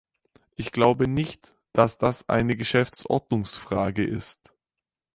Ich glaube nicht, dass das eine Geschäftsordnungsfrage ist.